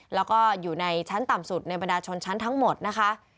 แล้วก็อยู่ในชั้นต่ำสุดในบรรดาชนชั้นทั้งหมดนะคะ